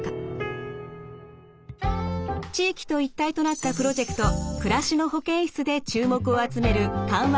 地域と一体となったプロジェクト暮らしの保健室で注目を集める緩和